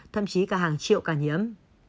thậm chí cả hàng triệu ca nhiễm